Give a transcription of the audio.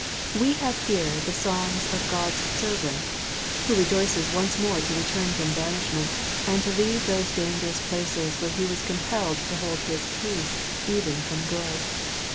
'* We hai^ here the songs of God^s servmU, uho rejoices once more to return from banishment, and to leave those dangerous places where he teas compelled to hold his peace even from good.